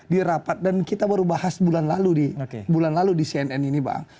di rapat dan kita baru bahas bulan lalu di cnn ini bang